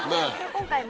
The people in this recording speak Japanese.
今回も。